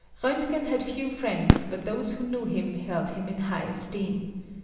Roentgen had few friends but those who knew him held him in high esteem.